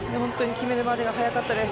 決めるまでが速かったです。